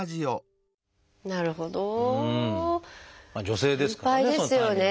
女性ですからね。